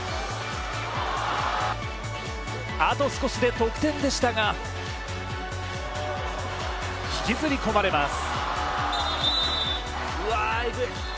あと少しで得点でしたが引きずり込まれます。